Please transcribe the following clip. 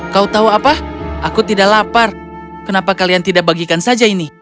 kau tahu apa aku tidak lapar kenapa kalian tidak bagikan saja ini